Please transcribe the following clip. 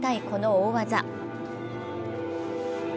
この大技。